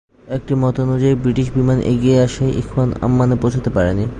একটি মতানুযায়ী ব্রিটিশ বিমান এগিয়ে আসায় ইখওয়ান আম্মানে পৌছাতে পারেনি।